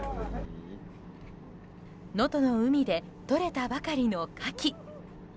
能登の海でとれたばかりの、カキ。